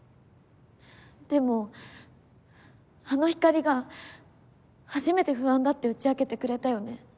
でもあのひかりが初めて不安だって打ち明けてくれたよね。